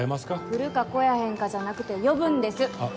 来るか来やへんかじゃなくて呼ぶんですあっ